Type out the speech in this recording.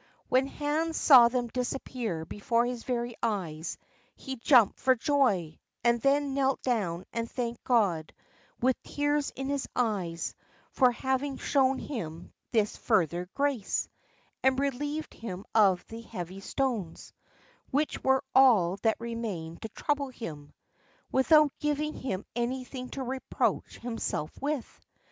When Hans saw them disappear before his very eyes he jumped for joy, and then knelt down and thanked God, with tears in his eyes, for having shown him this further grace, and relieved him of the heavy stones (which were all that remained to trouble him) without giving him anything to reproach himself with.